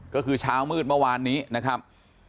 ก็คือเช้ามืดเมื่อวานนี้นะครับ